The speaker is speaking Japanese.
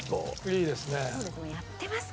いいですね。